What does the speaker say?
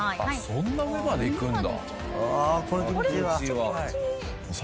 そんな上までいくんだ。